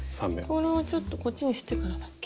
このちょっとこっちにしてからだっけ？